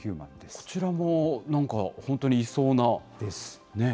こちらもなんか、本当にいそうな、ね。